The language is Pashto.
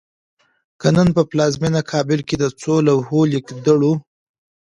که نن په پلازمېنه کابل کې د څو لوحو لیکدړو